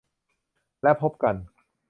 และพบกัน